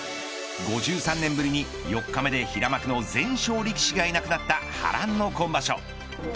５３年ぶりに４日目で平幕の全勝力士がいなくなった波乱の今場所。